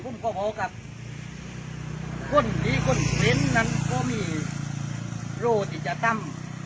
พูดมันก็พอครับคนดีคนเผ็ดฝรีเพราะมีโลกที่จะตั้ม